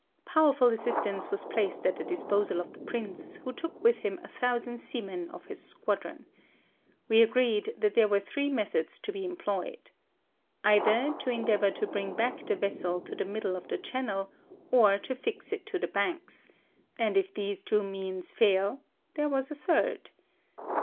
Powerful assistance was placed at the disposal of the Prince, who took with him a thousand seamen of his squadron. We agreed that there were three methods to be employed : either to endeavour to bring back the vessel to the middle of the chan nel, or to fix it to the banks ; and if these two means fail, there was a third.